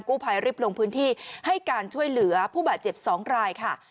ผู้ภัยรีบลงพื้นที่ให้การช่วยเหลือผู้บาดเจ็บ๒รายค่ะ